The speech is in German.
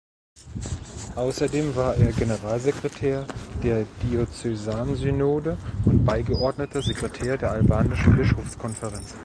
Außerdem war er Generalsekretär der Diözesansynode und beigeordneter Sekretär der albanischen Bischofskonferenz.